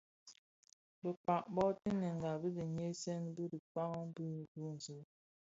Bekpag bo tanenga di nhyesen bi dhikpaň bi duńzi.